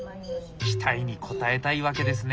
期待に応えたい訳ですね。